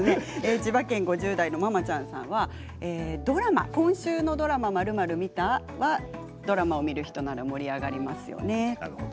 千葉県５０代の方は今週のドラマ○○は見た？はドラマを見る人なら盛り上がりますよね。